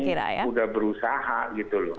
padahal ayahnya ini sudah berusaha gitu loh